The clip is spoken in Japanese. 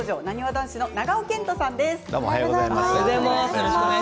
男子の長尾謙杜さんです。